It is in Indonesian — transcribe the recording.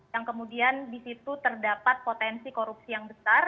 yang kemudian di situ terdapat potensi korupsi yang besar